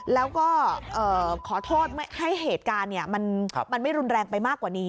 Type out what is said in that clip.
แล้วก็ขอโทษให้เหตุการณ์มันไม่รุนแรงไปมากกว่านี้